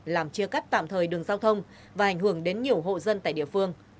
làm chia cắt tạm thời đường giao thông và ảnh hưởng đến nhiều hộ dân tại địa phương